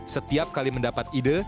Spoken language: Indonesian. setiap kali mendapat ide